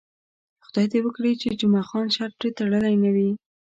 خدای دې وکړي چې جمعه خان شرط پرې تړلی نه وي.